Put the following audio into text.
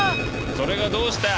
それがどうした！